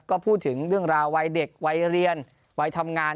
ก็พูดถึงเรื่องราววัยเด็กวัยเรียนวัยทำงาน